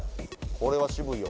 これは渋いよ